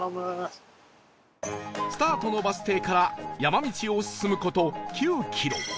スタートのバス停から山道を進む事９キロ